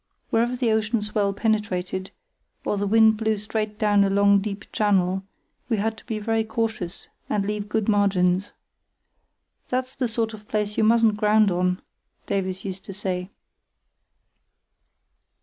Wherever the ocean swell penetrated, or the wind blew straight down a long deep channel, we had to be very cautious and leave good margins. "That's the sort of place you mustn't ground on," Davies used to say.